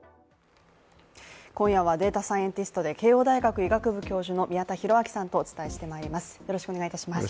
今夜はデータサイエンティストで慶応大学医学部教授の宮田裕章さんとお伝えしてまいります。